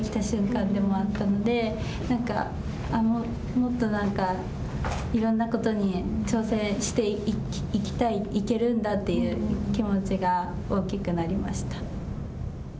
もっといろんなことに挑戦していきたいいけるんだという気持ちが大きくなりました。